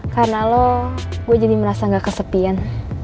karena lo gue jadi merasa gak kesepian